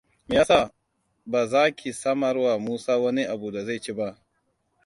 Me ya sa ba za ki samarwa Musa wani abu da zai ci ba?